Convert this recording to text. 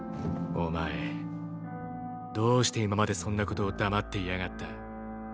お前どうして今までそんなことを黙っていやがった？